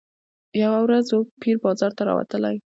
یوه ورځ وو پیر بازار ته راوتلی